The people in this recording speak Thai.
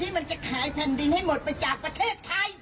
มันจะขายแผ่นดินให้หมดไปจากประเทศไทย